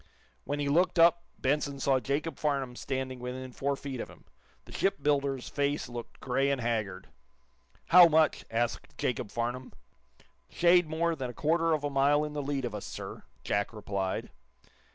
When he looked up Benson saw Jacob Farnum standing within four feet of him. The shipbuilder's face looked gray and haggard. "How much?" asked Jacob Farnum. "Shade more than a quarter of a mile in the lead of us, sir," Jack replied.